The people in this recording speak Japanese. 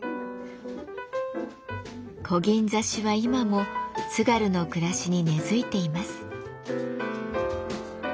こぎん刺しは今も津軽の暮らしに根づいています。